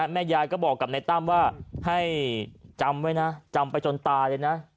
แม่ยายก็บอกกับนายตั้มว่าให้จำไว้นะจำไปจนตายเลยนะ